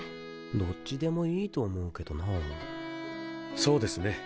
どっちでもいいと思うけどなそうですね